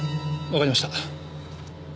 わかりました。